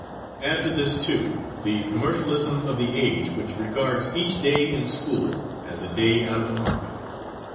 Add to this, too, the commercialism of the age which regards each day in school as a day out of the market.